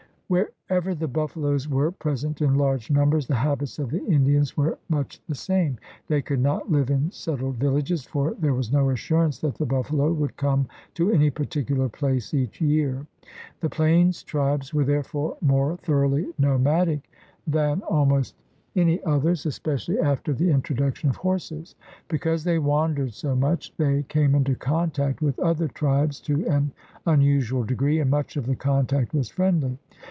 Wherever the buffaloes were present in large numbers, the habits of the Indians were much the same. They could not live in settled villages, for there was no assurance that the buffalo would come to any particular place each year. The plains tribes were therefore more thoroughly nomadic than al ' See Hodge, Handbook of American Indians, vol. ii, p. 781. THE RED MAN IN AMERICA 155 most any others, especially after the introduction of horses. Because they wandered so much, they came into contact with other tribes to an unusual degree, and much of the contact was friendly.